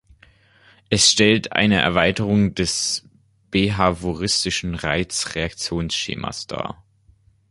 Es stellt eine Erweiterung des behavioristischen Reiz-Reaktionsschemas dar.